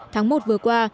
tháng một vừa qua